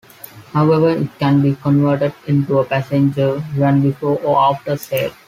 However, it can be converted into a passenger van before or after sale.